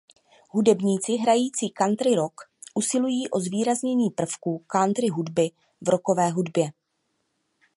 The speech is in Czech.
Hudebníci hrající country rock usilují o zvýraznění prvků country hudby v rockové hudbě.